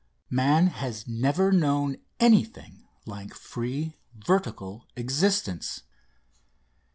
Man has never known anything like free vertical existence.